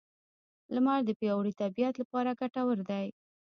لمر د پیاوړې طبیعت لپاره ګټور دی.